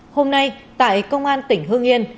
hôm nay tại công an tỉnh hương yên